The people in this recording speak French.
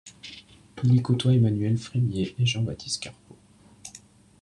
Il y côtoie Emmanuel Frémiet et Jean-Baptiste Carpeaux.